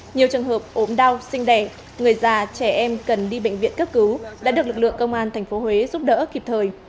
nhiều trường hợp ốm đau sinh đẻ người già trẻ em cần đi bệnh viện cấp cứu đã được lực lượng công an tp huế giúp đỡ kịp thời